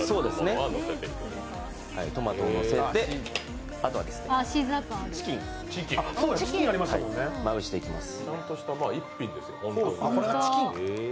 トマトをのせて、あとはチキンまぶしていきます。